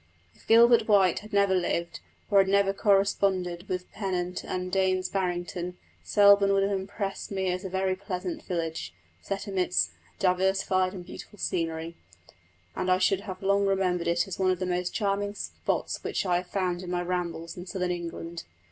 If Gilbert White had never lived, or had never corresponded with Pennant and Daines Barrington, Selborne would have impressed me as a very pleasant village set amidst diversified and beautiful scenery, and I should have long remembered it as one of the most charming spots which I had found in my rambles in southern England.